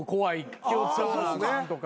気を使わなあかんとか。